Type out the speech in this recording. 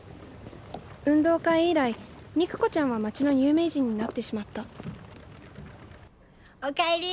運動会以来肉子ちゃんは町の有名人になってしまったお帰り！